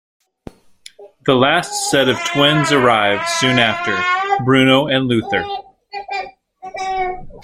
The last set of twins arrive soon after - Bruno and Luthor.